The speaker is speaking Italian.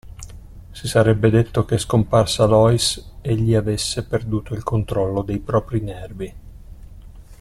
Si sarebbe detto che, scomparsa Lois, egli avesse perduto il controllo dei propri nervi.